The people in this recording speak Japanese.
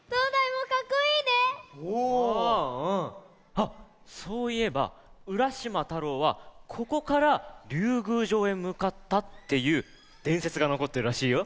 はっそういえばうらしまたろうはここからりゅうぐうじょうへむかったっていうでんせつがのこってるらしいよ。